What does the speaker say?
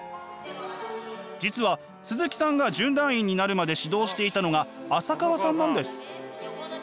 実は鈴木さんが準団員になるまで指導していたのが浅川さんなんです。